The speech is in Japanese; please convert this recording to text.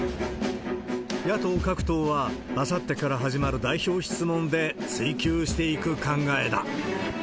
野党各党はあさってから始まる代表質問で追及していく考えだ。